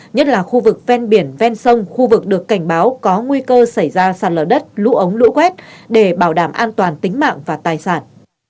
nhất là khu vực ven biển ven sông khu vực được cảnh báo có nguy cơ xảy ra sạt lở đất lũ ống lũ quét để bảo đảm an toàn tính mạng và tài sản